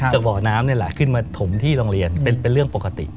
บ่อน้ำนี่แหละขึ้นมาถมที่โรงเรียนเป็นเรื่องปกติ